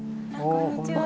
こんにちは。